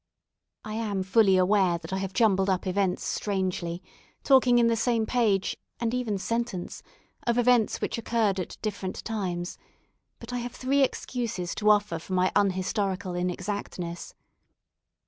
I am fully aware that I have jumbled up events strangely, talking in the same page, and even sentence, of events which occurred at different times; but I have three excuses to offer for my unhistorical inexactness.